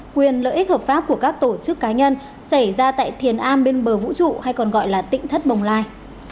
quyền lợi ích hợp pháp của các tổ chức cá nhân xảy ra tại thiền a bên bờ vũ trụ hay còn gọi là tỉnh thất bồng lai